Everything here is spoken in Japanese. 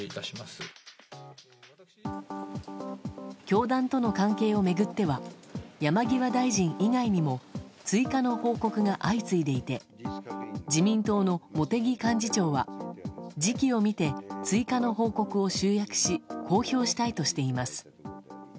教団との関係を巡っては山際大臣以外にも追加の報告が相次いでいて自民党の茂木幹事長は時期をみて追加の報告を集約し公表したいとしています。